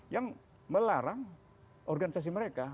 yang melarang organisasi mereka